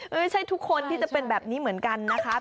ไม่ใช่ทุกคนที่จะเป็นแบบนี้เหมือนกันนะคะ